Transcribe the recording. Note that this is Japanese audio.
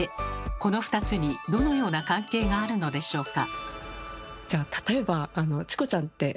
この２つにどのような関係があるのでしょうか？